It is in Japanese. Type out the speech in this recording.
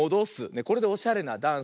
これでおしゃれなダンスだよ。